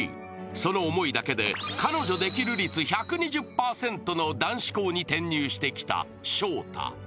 その思いだけで彼女出来る率１２０％の男子校に転入してきた勝太。